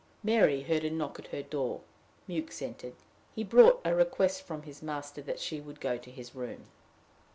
Mary heard a knock at her door. Mewks entered. He brought a request from his master that she would go to his room.